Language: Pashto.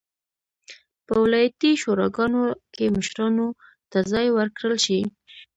په ولایتي شوراګانو کې مشرانو ته ځای ورکړل شي.